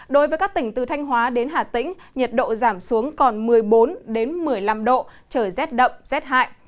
đối với các tỉnh từ thanh hóa đến hà tĩnh nhiệt độ giảm xuống còn một mươi bốn một mươi năm độ trời rét đậm rét hại